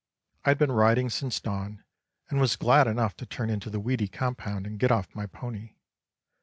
I had been riding since dawn, and was glad enough to turn into that weedy compound and get off my pony.